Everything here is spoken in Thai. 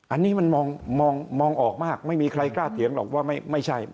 อันนี้มันมองออกมากไม่มีใครกล้าเถียงหรอกว่าไม่ใช่